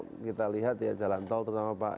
kalau kita lihat ya jalan tol terutama pak